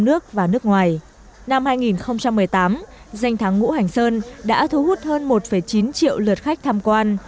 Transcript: năm hai nghìn một mươi tám danh thắng ngũ hành sơn đã thu hút hơn một chín triệu lượt khách tham quan